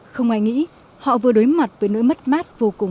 không ai nghĩ họ vừa đối mặt với nỗi mất mát vô cùng